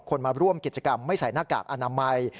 มาร่วมกิจกรรมไม่ใส่หน้ากากอนามัย